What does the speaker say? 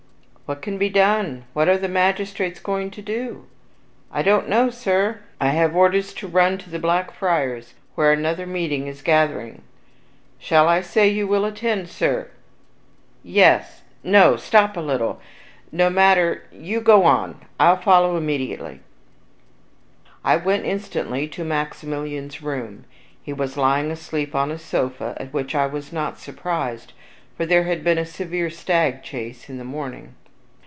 What can be done? What are the magistrates going to do?" "I don't know, sir. I have orders to run to the Black Friars, where another meeting is gathering. Shall I say you will attend, sir?" "Yes no stop a little. No matter, you may go on; I'll follow immediately." I went instantly to Maximilian's room. He was lying asleep on a sofa, at which I was not surprised, for there had been a severe stag chase in the morning.